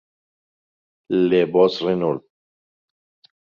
Le Bosc-Renoult